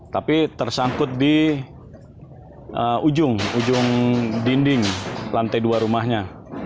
tapi tersangkut di ujung ujung dinding lantai dua rumahnya